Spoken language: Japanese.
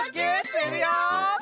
するよ！